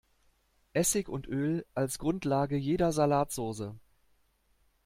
Essig und Öl als Grundlage jeder Salatsoße.